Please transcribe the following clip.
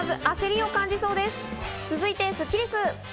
続いてスッキりす。